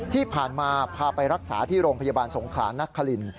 ที่ผ่านมาพาไปรักษาที่โรงพยาบาลสงขลานักคลิน